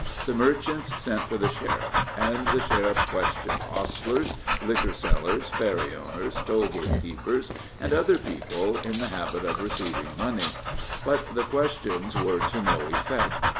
The merchants sent for the sheriff, and the sheriff questioned hostlers, liquor sellers, ferry owners, tollgate keepers, and other people in the habit of receiving money; but the questions were to no effect.